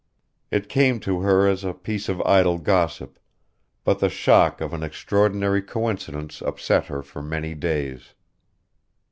It came to her as a piece of idle gossip, but the shock of an extraordinary coincidence upset her for many days.